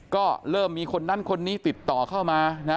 ก็เริ่มมีคนนั้นคนนี้ติดต่อเข้ามานะ